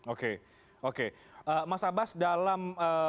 oke oke mas abbas dalam